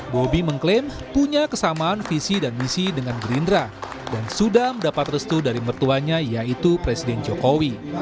bobi mengklaim punya kesamaan visi dan misi dengan gerindra dan sudah mendapat restu dari mertuanya yaitu presiden jokowi